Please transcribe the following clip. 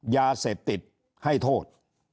ยาเสพติดให้โทษ